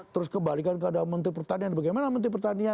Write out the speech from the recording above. terus kembalikan kepada menteri pertanian bagaimana menteri pertanian